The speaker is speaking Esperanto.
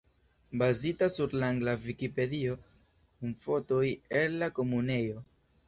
Bazita sur la angla Vikipedio, kun fotoj el la Komunejo.